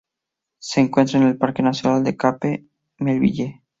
Se encuentra en el Parque Nacional Cape Melville.